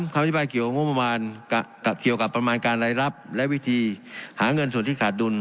๓คำแสดงประกอบงบมันก็เกี่ยวกับประมาณการรายรับและวิธีหาเงินส่วนที่ขาดดุล